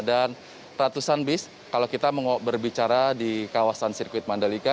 dan ratusan bis kalau kita berbicara di kawasan sirkuit mandalika